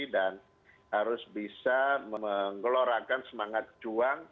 dan harus bisa mengelorakan semangat juang